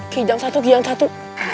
gijang satu giyang satu